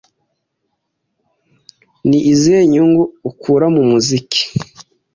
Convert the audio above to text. Ni izihe nyungu ukura mu muziki